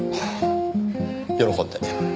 喜んで。